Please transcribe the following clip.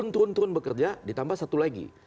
turun turun bekerja ditambah satu lagi